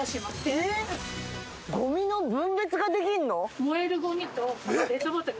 えぇ⁉ゴミの分別ができんの？